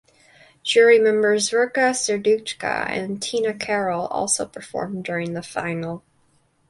Jury members Verka Serduchka and Tina Karol also performed during the final.